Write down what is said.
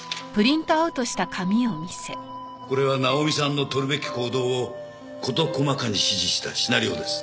これはナオミさんの取るべき行動を事細かに指示したシナリオです。